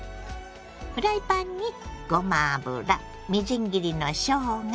フライパンにごま油みじん切りのしょうが